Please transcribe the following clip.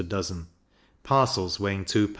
per dozen; parcels weighing 2lbs.